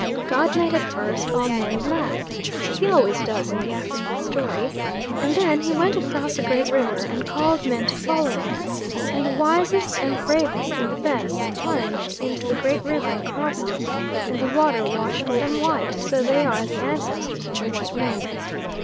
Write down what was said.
God made at first all men black He always does in the African story and then He went across a great river and called men to follow Him, and the wisest and the bravest and the best plunged into the great river and crossed it; and the water washed them white, so they are the ancestors of the white men.